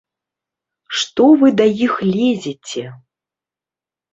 Што вы да іх лезеце?!